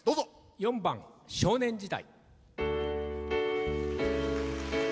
４番「少年時代」。